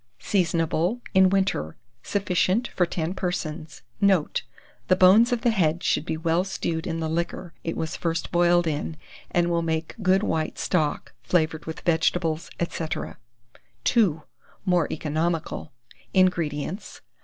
Seasonable in winter. Sufficient for 10 persons. Note. The bones of the head should be well stewed in the liquor it was first boiled in, and will make good white stock, flavoured with vegetables, etc. II. (More Economical.) 173. INGREDIENTS.